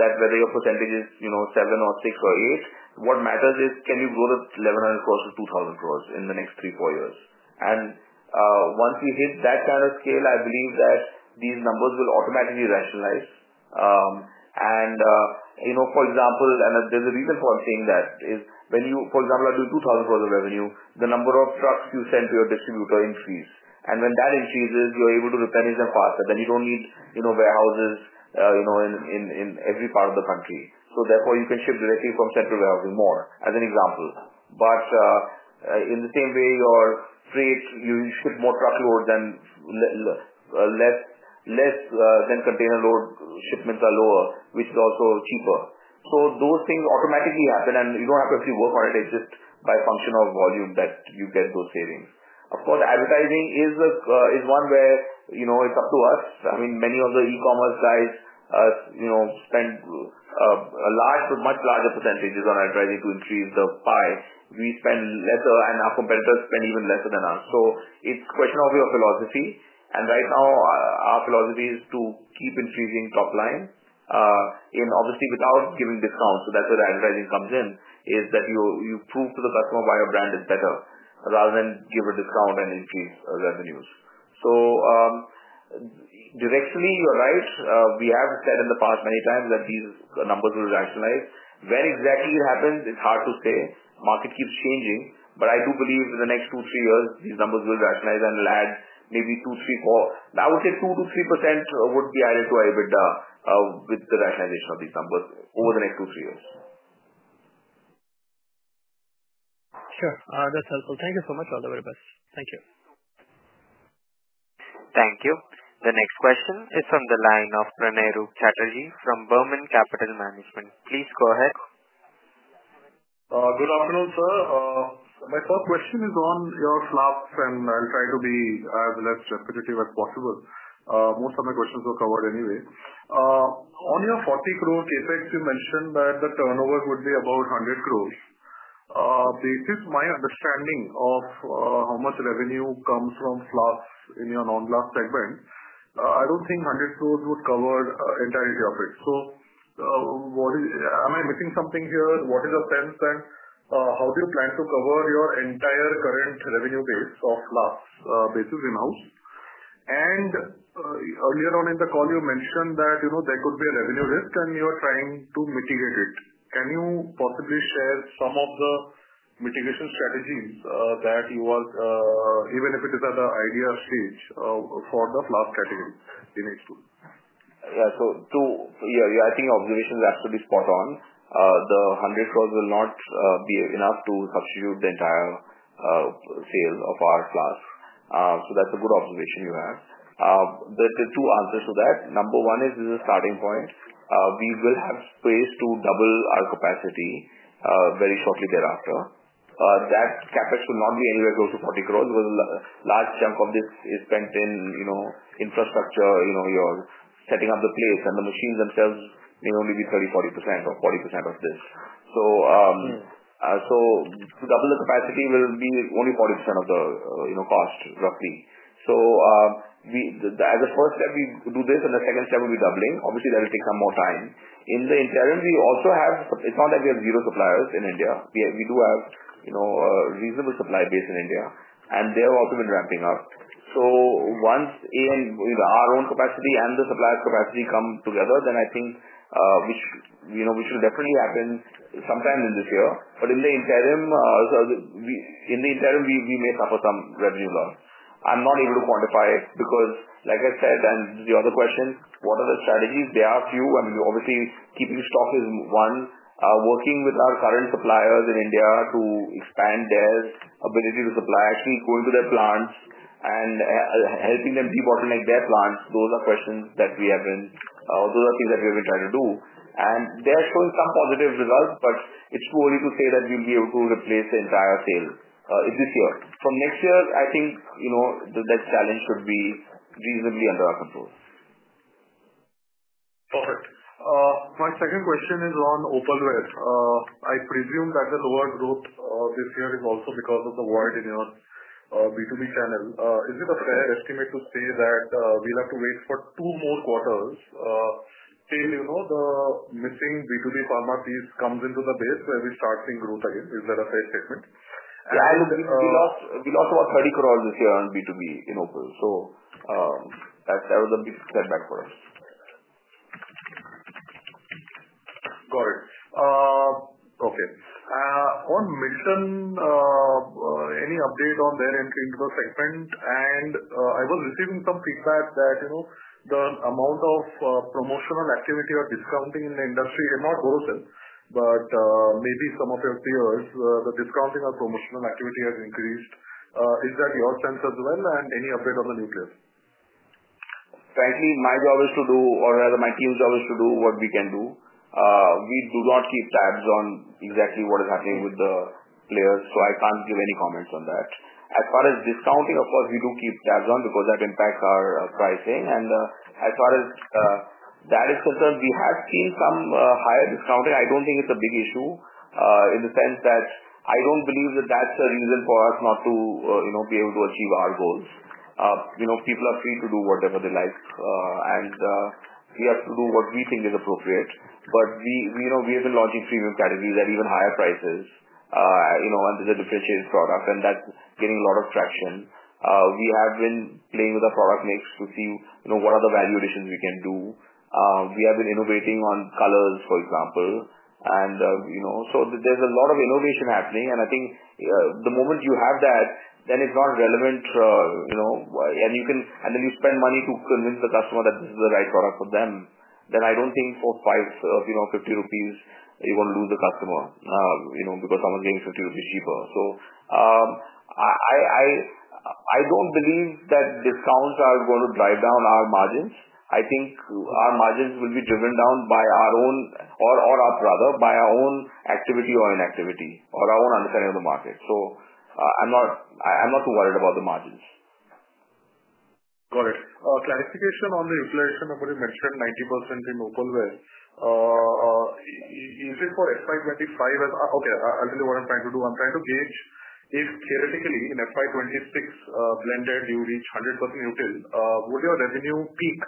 that whether your percentage is 7% or 6% or 8%. What matters is, can you grow the 1,100 crore to 2,000 crore in the next three, four years? Once we hit that kind of scale, I believe that these numbers will automatically rationalize. For example, and there is a reason for saying that, is when you, for example, do 2,000 crore of revenue, the number of trucks you send to your distributor increases. When that increases, you are able to replenish them faster. You do not need warehouses in every part of the country. Therefore, you can ship directly from central warehousing more, as an example. In the same way, your freight, you ship more truckload than container load shipments are lower, which is also cheaper. Those things automatically happen, and you do not have to actually work on it. It is just by function of volume that you get those savings. Of course, advertising is one where it is up to us. I mean, many of the e-commerce guys spend a much larger % on advertising to increase the pie. We spend lesser, and our competitors spend even lesser than us. It is a question of your philosophy. Right now, our philosophy is to keep increasing top line and obviously without giving discounts. That is where the advertising comes in, is that you prove to the customer why your brand is better rather than give a discount and increase revenues. Directionally, you're right. We have said in the past many times that these numbers will rationalize. When exactly it happens, it is hard to say. Market keeps changing. I do believe in the next two, three years, these numbers will rationalize and will add maybe two, three, four. I would say 2%-3% would be added to EBITDA with the rationalization of these numbers over the next two, three years. Sure. That's helpful. Thank you so much. All the very best. Thank you. Thank you. The next question is from the line of Pranay Roop Chatterjee from Burman Capital Management. Please go ahead. Good afternoon, sir. My first question is on your Flask, and I'll try to be as less repetitive as possible. Most of my questions were covered anyway. On your 40 crore CapEx, you mentioned that the turnover would be about 100 crore. Based on my understanding of how much revenue comes from Flask in your non-glass segment, I don't think 100 crore would cover the entirety of it. Am I missing something here? What is your sense? How do you plan to cover your entire current revenue base of Flask basically now? Earlier on in the call, you mentioned that there could be a revenue risk, and you are trying to mitigate it. Can you possibly share some of the mitigation strategies that you work, even if it is at the idea stage for the Flask category in H2? Yeah. So yeah, I think your observation is absolutely spot on. The 100 crore will not be enough to substitute the entire sales of our flask. That is a good observation you have. There are two answers to that. Number one is this is a starting point. We will have space to double our capacity very shortly thereafter. That CapEx will not be anywhere close to 40 crore because a large chunk of this is spent in infrastructure, your setting up the place. The machines themselves may only be 30-40% or 40% of this. To double the capacity will be only 40% of the cost, roughly. As a first step, we do this, and the second step will be doubling. Obviously, that will take some more time. In the interim, we also have, it is not that we have zero suppliers in India. We do have a reasonable supply base in India, and they have also been ramping up. Once our own capacity and the suppliers' capacity come together, I think that will definitely happen sometime in this year. In the interim, we may suffer some revenue loss. I'm not able to quantify it because, like I said in the other question, what are the strategies? There are a few. Obviously, keeping stock is one. Working with our current suppliers in India to expand their ability to supply, actually going to their plants and helping them de-bottleneck their plants, those are things that we have been trying to do. They are showing some positive results, but it's too early to say that we'll be able to replace the entire sale this year. From next year, I think that challenge should be reasonably under our control. Perfect. My second question is on Opalware. I presume that the lower growth this year is also because of the void in your B2B channel. Is it a fair estimate to say that we'll have to wait for two more quarters till the missing B2B pharma piece comes into the base where we start seeing growth again? Is that a fair statement? Yeah. We lost about 300 million this year on B2B in opal. That was a big setback for us. Got it. Okay. On Milton, any update on their entry into the segment? I was receiving some feedback that the amount of promotional activity or discounting in the industry has not worsened, but maybe some of your peers, the discounting or promotional activity has increased. Is that your sense as well? Any update on the new players? Frankly, my job is to do, or rather my team's job is to do what we can do. We do not keep tabs on exactly what is happening with the players. I can't give any comments on that. As far as discounting, of course, we do keep tabs on because that impacts our pricing. As far as that is concerned, we have seen some higher discounting. I don't think it's a big issue in the sense that I don't believe that that's a reason for us not to be able to achieve our goals. People are free to do whatever they like, and we have to do what we think is appropriate. We have been launching premium categories at even higher prices, and it's a differentiated product, and that's getting a lot of traction. We have been playing with our product mix to see what other value additions we can do. We have been innovating on colors, for example. There is a lot of innovation happening. I think the moment you have that, then it is not relevant. You spend money to convince the customer that this is the right product for them. I do not think for 5, 50 rupees, you are going to lose the customer because someone is getting 50 rupees cheaper. I do not believe that discounts are going to drive down our margins. I think our margins will be driven down by our own, or rather, by our own activity or inactivity or our own understanding of the market. I am not too worried about the margins. Got it. Clarification on the inflation number you mentioned, 90% in opalware. Is it for FY2025? Okay. I'll tell you what I'm trying to do. I'm trying to gauge if theoretically in FY2026 blended, you reach 100% util. Would your revenue peak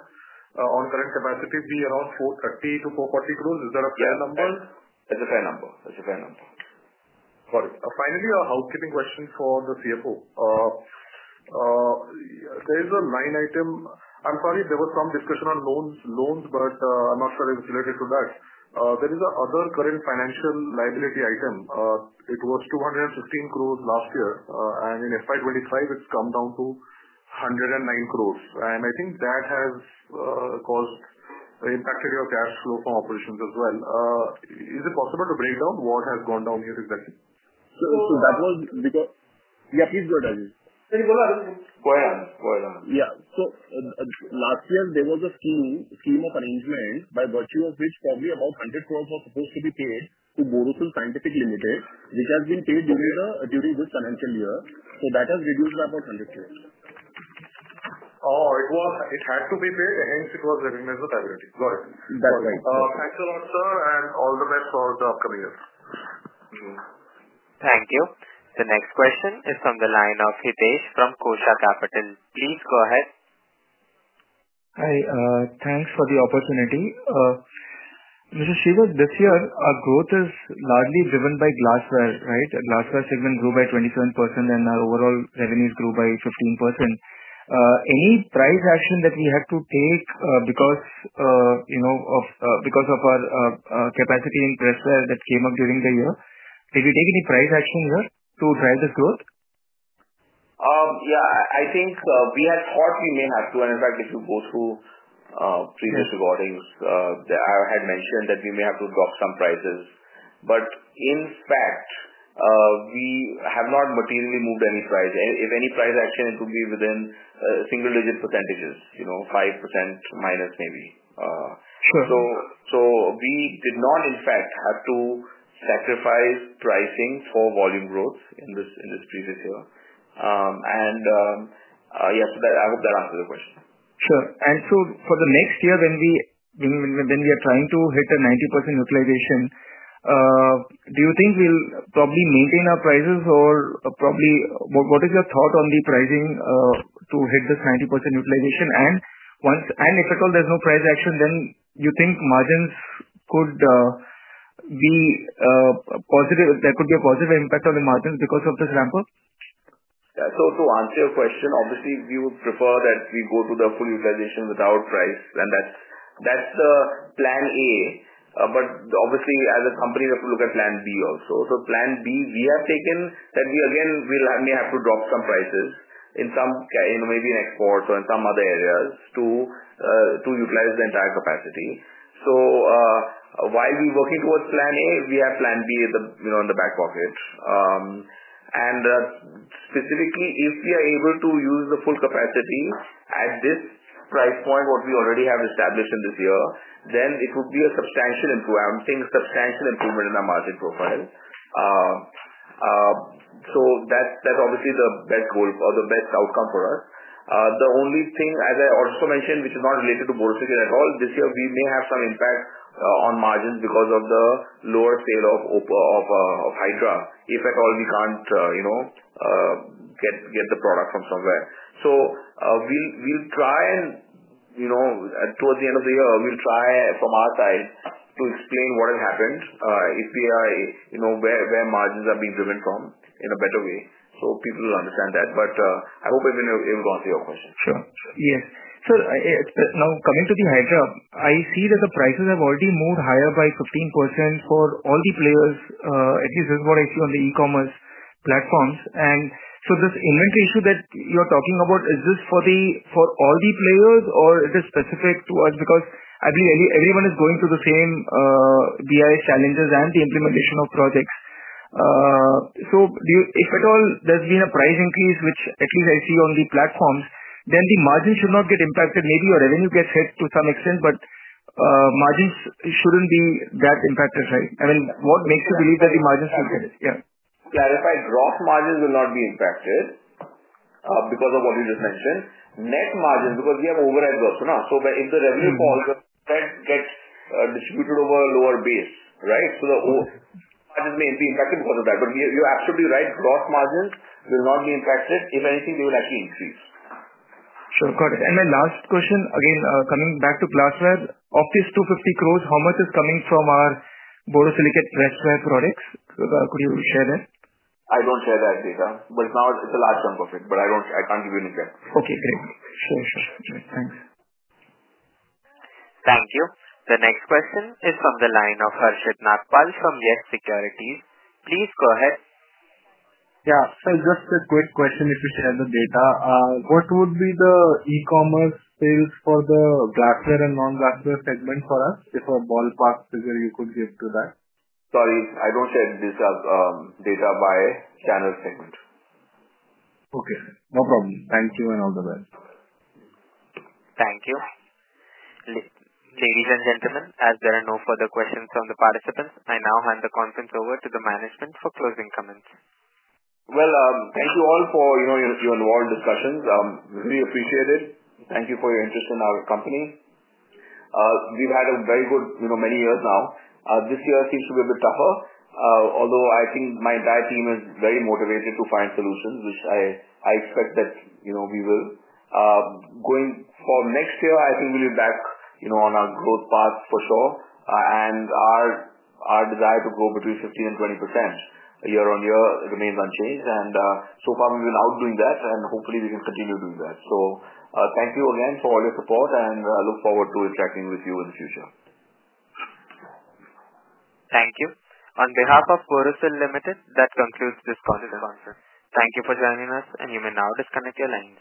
on current capacity be around 430 crore-440 crore? Is that a fair number? Yes. That's a fair number. Got it. Finally, a housekeeping question for the CFO. There is a line item. I'm sorry, there was some discussion on loans, but I'm not sure if it's related to that. There is another current financial liability item. It was 2.15 billion last year, and in FY25, it's come down to 1.09 billion. I think that has impacted your cash flow from operations as well. Is it possible to break down what has gone down here exactly? That was because, yeah, please go ahead, Rajesh. Sorry, go ahead, Rajesh. Yeah. Last year, there was a scheme of arrangement by virtue of which probably about 100 crore were supposed to be paid to Borosil Scientific, which has been paid during this financial year. That has reduced by about 100 crore. Oh, it had to be paid. Hence, it was a reinforcement liability. Got it. That's right. Thanks a lot, sir, and all the best for the upcoming year. Thank you. The next question is from the line of Hitesh from Kosha Capital. Please go ahead. Hi. Thanks for the opportunity. Mr. Shreevar, this year, our growth is largely driven by glassware, right? Glassware segment grew by 27%, and our overall revenues grew by 15%. Any price action that we had to take because of our capacity in pressware that came up during the year? Did we take any price action here to drive this growth? Yeah. I think we had thought we may have to. In fact, if you go through previous recordings, I had mentioned that we may have to drop some prices. In fact, we have not materially moved any price. If any price action, it would be within single-digit percentages, 5% minus maybe. We did not, in fact, have to sacrifice pricing for volume growth in this previous year. Yes, I hope that answers your question. Sure. For the next year, when we are trying to hit a 90% utilization, do you think we'll probably maintain our prices? What is your thought on the pricing to hit this 90% utilization? If at all there's no price action, then you think margins could be positive? There could be a positive impact on the margins because of this ramp-up? To answer your question, obviously, we would prefer that we go to the full utilization with our price. That is plan A. Obviously, as a company, we have to look at plan B also. Plan B, we have taken that we, again, may have to drop some prices maybe in exports or in some other areas to utilize the entire capacity. While we are working towards plan A, we have plan B in the back pocket. Specifically, if we are able to use the full capacity at this price point, what we already have established in this year, then it would be a substantial improvement. I am seeing substantial improvement in our margin profile. That is obviously the best goal or the best outcome for us. The only thing, as I also mentioned, which is not related to Borosil at all, this year, we may have some impact on margins because of the lower sale of Hydra. If at all, we can't get the product from somewhere. We will try, and towards the end of the year, we will try from our side to explain what has happened, where margins are being driven from in a better way. People will understand that. I hope I have been able to answer your question. Sure. Yes. Now coming to the Hydra, I see that the prices have already moved higher by 15% for all the players. At least this is what I see on the e-commerce platforms. This inventory issue that you are talking about, is this for all the players, or is it specific to us? I believe everyone is going through the same BIS challenges and the implementation of projects. If at all, there has been a price increase, which at least I see on the platforms, then the margin should not get impacted. Maybe your revenue gets hit to some extent, but margins should not be that impacted, right? I mean, what makes you believe that the margins will get hit? Yes. Clarify. Gross margins will not be impacted because of what you just mentioned. Net margins, because we have overhead growth, so if the revenue falls, the overhead gets distributed over a lower base, right? The margins may be impacted because of that. You are absolutely right. Gross margins will not be impacted. If anything, they will actually increase. Sure. Got it. My last question, again, coming back to glassware, of these INR 250 crore, how much is coming from our borosilicate freshware products? Could you share that? I don't share that data, but now it's a large chunk of it. I can't give you an exact. Okay. Great. Sure. Sure. Thanks. Thank you. The next question is from the line of Harshit Nagpal from Yes Security. Please go ahead. Yeah. So just a quick question if you share the data. What would be the e-commerce sales for the glassware and non-glassware segment for us? If a ballpark figure you could give to that. Sorry. I don't share this data by channel segment. Okay. No problem. Thank you and all the best. Thank you. Ladies and gentlemen, as there are no further questions from the participants, I now hand the conference over to the management for closing comments. Thank you all for your involved discussions. Really appreciate it. Thank you for your interest in our company. We've had a very good many years now. This year seems to be a bit tougher, although I think my entire team is very motivated to find solutions, which I expect that we will. For next year, I think we'll be back on our growth path for sure. Our desire to grow between 15%-20% year-on-year remains unchanged. So far, we've been outdoing that, and hopefully, we can continue doing that. Thank you again for all your support, and I look forward to interacting with you in the future. Thank you. On behalf of Borosil Limited, that concludes this conference. Thank you for joining us, and you may now disconnect your line.